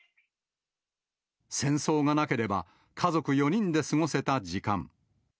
戦争がなければ、家族４人で過ごせた時間。